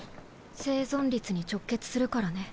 生存率に直結するからね。